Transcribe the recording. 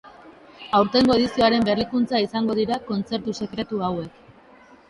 Aurtengo edizioaren berrikuntza izango dira kontzertu sekretu hauek.